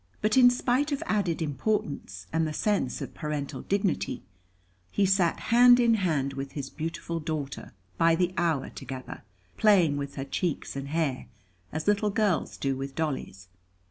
But in spite of added importance, and the sense of parental dignity, he sat hand in hand with his beautiful daughter by the hour together, playing with her cheeks and hair, as little girls do with dollies.